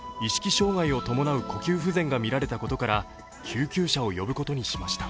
障害を伴う呼吸不全がみられたことから救急車を呼ぶことにしました。